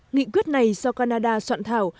nghị quyết này do canada soạn thảo